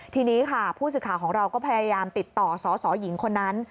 ทีนี้ค่ะผู้สื่อข่าวของเราก็พยายามติดต่อสสหญิงคนนั้น